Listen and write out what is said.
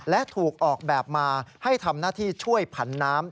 และถูกออกแบบมาให้ทำหน้าที่ช่วยผันน้ำ